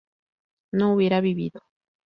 no hubiera vivido